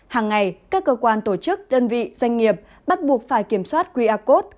hàng ngày các cơ quan tổ chức đơn vị doanh nghiệp bắt buộc phải kiểm soát qr code